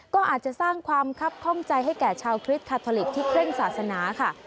ก็อาจจะสร้างความคับข้องใจให้แก่ชาวคริสคาทอลิกที่เคร่งศาสนาค่ะ